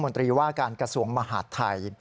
รัฐมนตรีว่าการกระทรวงมหาธัย